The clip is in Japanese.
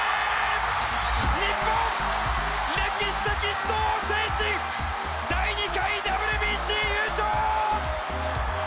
日本、歴史的死闘を制し第２回ＷＢＣ優勝！